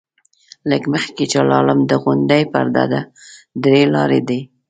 لږ مخکې چې لاړم، د غونډۍ پر ډډه درې لارې دي.